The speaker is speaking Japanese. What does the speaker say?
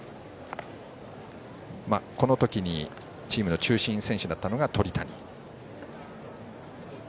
このときにチームの中心選手だったのが鳥谷に。